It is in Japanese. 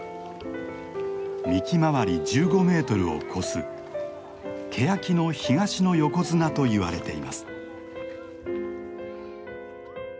幹周り１５メートルを超すケヤキの東の横綱といわれています。